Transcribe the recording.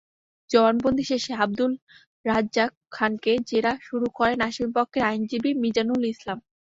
জবানবন্দি শেষে আবদুর রাজ্জাক খানকে জেরা শুরু করেন আসামিপক্ষের আইনজীবী মিজানুল ইসলাম।